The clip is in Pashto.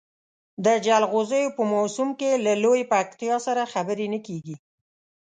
د جلغوزیو په موسم کې له لویې پکتیا سره خبرې نه کېږي.